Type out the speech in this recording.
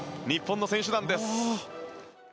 日本の選手団です。